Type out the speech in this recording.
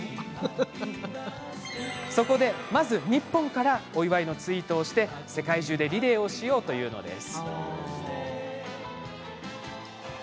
そこで、まず日本からお祝いのツイートをして世界中でリレーをしようというのです。